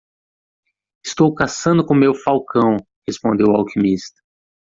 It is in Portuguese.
"Estou caçando com meu falcão?" respondeu o alquimista.